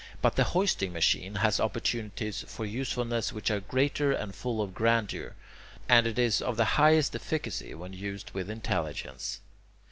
But the hoisting machine has opportunities for usefulness which are greater and full of grandeur, and it is of the highest efficacy when used with intelligence.